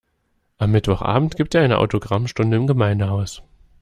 Am Mittwochabend gibt er eine Autogrammstunde im Gemeindehaus.